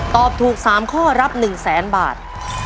ตอบถูก๓ข้อรับ๑๐๐๐๐๐บาท